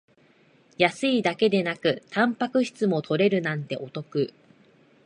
安いだけでなくタンパク質も取れるなんてお得